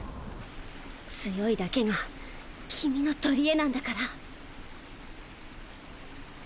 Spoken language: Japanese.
強いだけが君の取り柄なんだから。